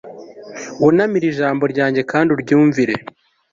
Wunamire ijambo ryanjye kandi uryumvire